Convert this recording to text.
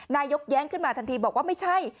แย้งขึ้นมาทันทีบอกว่าไม่ใช่